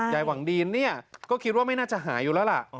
หวังดีนเนี่ยก็คิดว่าไม่น่าจะหายอยู่แล้วล่ะ